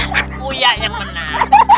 pak uya yang menang